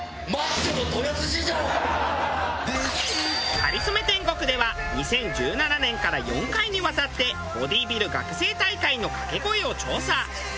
『かりそめ天国』では２０１７年から４回にわたってボディビル学生大会のかけ声を調査。